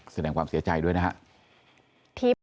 แสดงความเสียใจด้วยนะครับ